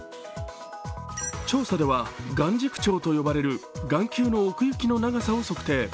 調査では眼軸長と呼ばれる眼球の奥行きの長さを測定。